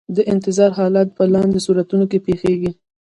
د انتظار حالت په لاندې صورتونو کې پیښیږي.